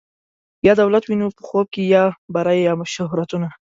یا دولت وینو په خوب کي یا بری یا شهرتونه